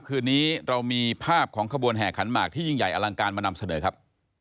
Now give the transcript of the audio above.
คืนนี้เรามีภาพของขบวนแห่ขันหมากที่ยิ่งใหญ่อลังการมานำเสนอครับ